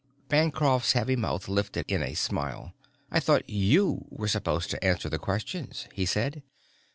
Bancroft's heavy mouth lifted in a smile. "I thought you were supposed to answer the questions," he said.